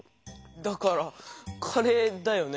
だからカレーだよね？